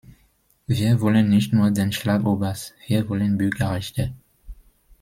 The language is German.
Wir wollen nicht nur den Schlagobers, wir wollen Bürgerrechte.